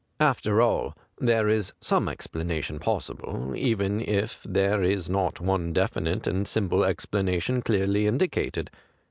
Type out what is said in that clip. After all, there is some explana tion possible, even if there is not one definite and simple explanation clearly indicated.